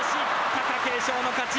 貴景勝の勝ち。